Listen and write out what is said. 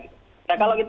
ya kalau gitu